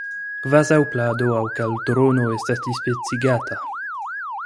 kvazaŭ plado aŭ kaldrono estas dispecigata.